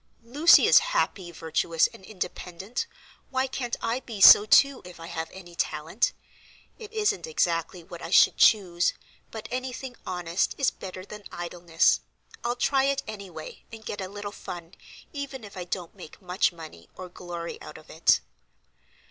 "Lucy is happy, virtuous, and independent, why can't I be so too if I have any talent? It isn't exactly what I should choose, but any thing honest is better than idleness. I'll try it any way, and get a little fun, even if I don't make much money or glory out of it."